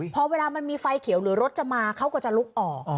พอเวลามันมีไฟเขียวหรือรถจะมาเขาก็จะลุกออก